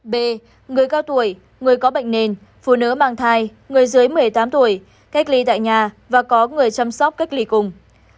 b người cao tuổi người có bệnh nền phụ nữ mang thai người dưới một mươi tám tuổi cách ly tại nhà và có người chăm sóc cách ly cùng